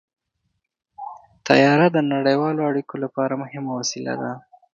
طیاره د نړیوالو اړیکو لپاره مهمه وسیله ده.